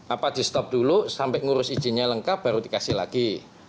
apa di stop dulu sampai ngurus izinnya lengkap baru dikasih lagi